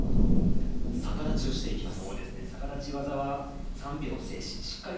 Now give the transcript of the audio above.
逆立ちをしていきます。